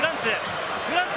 フランツ。